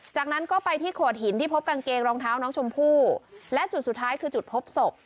จากนั้นก็ไปที่โขดหินที่พบกางเกงรองเท้าน้องชมพู่และจุดสุดท้ายคือจุดพบศพ